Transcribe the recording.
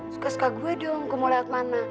suka suka gue dong gua mau lewat mana